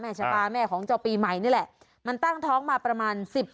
ชะตาแม่ของเจ้าปีใหม่นี่แหละมันตั้งท้องมาประมาณสิบปี